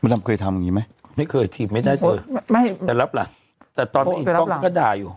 มันน้ำเคยทำอย่างงี้ไหมไม่เคยทีบไม่ได้เลยไม่แต่รับหลังแต่ตอนไม่เห็นกล้องเขาก็ด่าอยู่